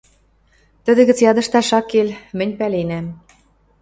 Тӹдӹ гӹц ядышташ ак кел, мӹнь пӓленӓм.